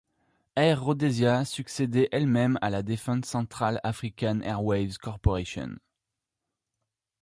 Air Rhodesia succédait elle-même à la défunte Central African Airways Corporation.